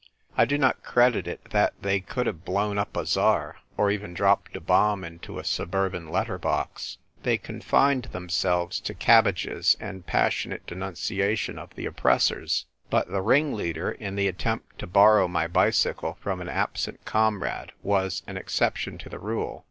I do not credit it that they could have blown up a Tsar, or even dropped a bomb into a suburban letter box. They confined them 66 THE TYPE WRITER GIRL. selves to cabbages and passionate denuncia tion of the oppressors. But the ringleader in the attempt to borrow my bicycle from an absent comrade was an exception to the rule.